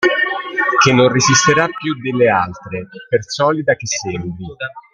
Che non resisterà più delle altre, per solida che sembri.